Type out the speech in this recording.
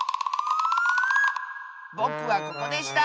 ぼくはここでした！